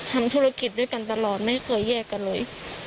ทำธุรกิจด้วยกันตลอดไม่เคยแยกกันเลย